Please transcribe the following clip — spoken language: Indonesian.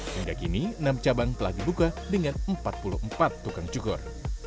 hingga kini enam cabang telah dibuka dengan empat puluh empat tukang cukur